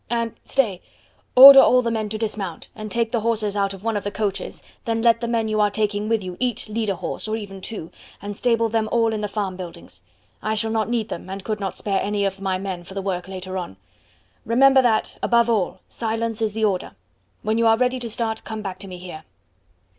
And stay order all the men to dismount, and take the horses out of one of the coaches, then let the men you are taking with you each lead a horse, or even two, and stable them all in the farm buildings. I shall not need them, and could not spare any of my men for the work later on. Remember that, above all, silence is the order. When you are ready to start, come back to me here."